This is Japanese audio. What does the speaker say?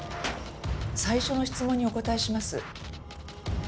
最初の質問にお答えします。